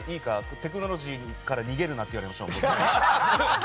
テクノロジーから逃げるなって言われました。